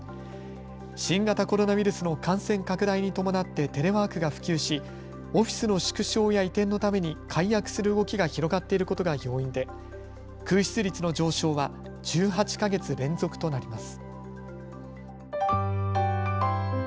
新型コロナウイルスの感染拡大に伴ってテレワークが普及しオフィスの縮小や移転のために解約する動きが広がっていることが要因で空室率の上昇は１８か月連続となります。